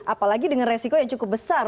apalagi dengan resiko yang cukup besar